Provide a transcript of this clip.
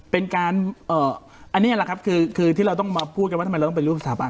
เป็นการอันนี้แหละครับคือที่เราต้องมาพูดกันว่าทำไมเราต้องเป็นรูปสถาบัน